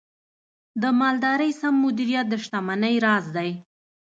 د مالدارۍ سم مدیریت د شتمنۍ راز دی.